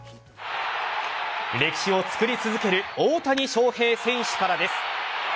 歴史を作り続ける大谷翔平選手からです。